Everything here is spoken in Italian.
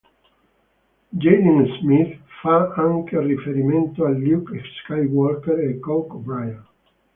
Jaden Smith fa anche riferimento a Luke Skywalker e Kobe Bryant.